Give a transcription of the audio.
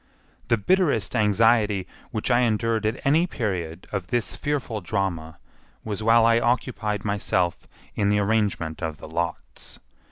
The bitterest anxiety which I endured at any period of this fearful drama was while I occupied myself in the arrangement of the lots.